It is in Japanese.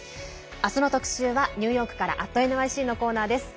明日の特集はニューヨークから「＠ｎｙｃ」のコーナーです。